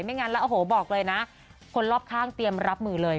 งั้นแล้วโอ้โหบอกเลยนะคนรอบข้างเตรียมรับมือเลย